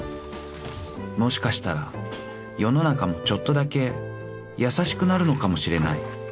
［もしかしたら世の中もちょっとだけ優しくなるのかもしれない］